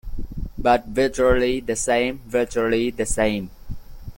But virtually the same, virtually the same.